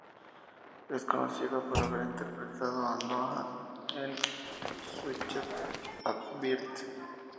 Es conocido por haber interpretado a Noah en "Switched at Birth".